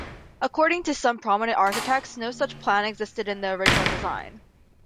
According to some prominent architects, no such plan existed in the original design.